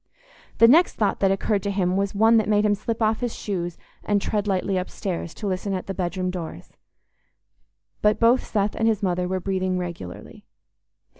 The next thought that occurred to him was one that made him slip off his shoes and tread lightly upstairs, to listen at the bedroom doors. But both Seth and his mother were breathing regularly.